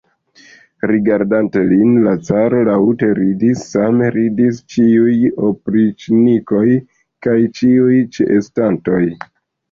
Rigardante lin, la caro laŭte ridis, same ridis ĉiuj opriĉnikoj kaj ĉiuj ĉeestantoj.